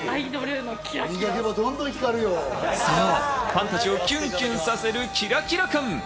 彼女たちをキュンキュンさせるキラキラ感。